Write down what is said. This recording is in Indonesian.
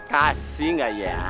kasih gak ya